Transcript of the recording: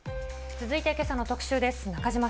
続いて、けさの特シューです。